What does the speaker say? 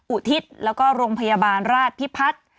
อุทิศแล้วก็โรงพยาบาลราชพิพัฒน์